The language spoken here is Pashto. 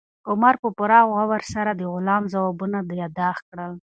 عمر په پوره غور سره د غلام ځوابونه یاداښت کړل.